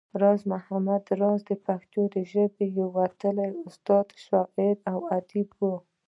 راز محمد راز د پښتو ژبې يو وتلی استاد، شاعر او اديب وو